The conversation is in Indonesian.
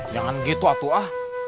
jangan gitu atuh ah